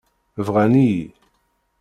Bɣan-iyi.